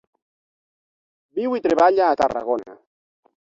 Viu i treballa a Tarragona.